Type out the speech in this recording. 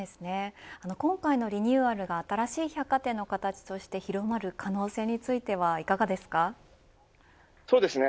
今回のリニューアルが新しい百貨店の形として広まる可能性についてはいかがですか。